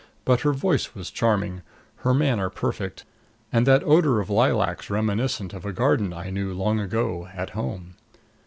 But her voice was charming, her manner perfect, and that odor of lilacs reminiscent of a garden I knew long ago, at home.